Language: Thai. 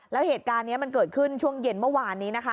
แล้วเหตุการณ์นี้มันเกิดขึ้นช่วงเย็นเมื่อวานนี้นะคะ